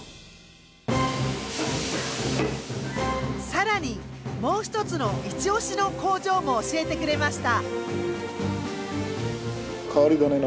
更にもう一つのいちオシの工場も教えてくれました。